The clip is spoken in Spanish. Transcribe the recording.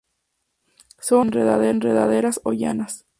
Son enredaderas o lianas.